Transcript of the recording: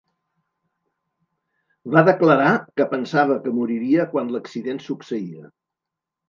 Va declarar que pensava que moriria quan l'accident succeïa.